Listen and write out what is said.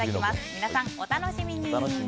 皆さん、お楽しみに。